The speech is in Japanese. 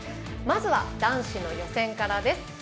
まずは男子の予選からです。